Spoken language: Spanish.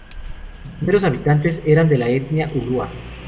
Los primeros habitantes eran de la etnia ulúa.